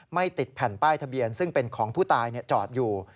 ไม่ติดแผ่นป้ายทะเบียนซึ่งเป็นของผู้ตายจอดอยู่